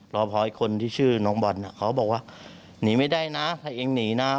รอพออีกคนที่ชื่อน้องบอลเขาบอกว่าหนีไม่ได้นะถ้าเองหนีนะ